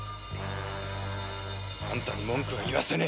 あんたに文句は言わせねえよ！